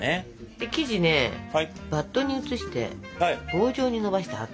で生地ねバットに移して棒状にのばして８等分。